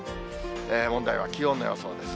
問題は気温の予想です。